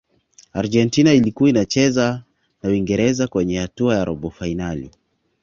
argentina ilikuwa inacheza na uingereza kwenye hatua ya robo fainali